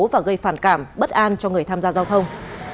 và gây phản cảm bất an cho người tham gia giao thông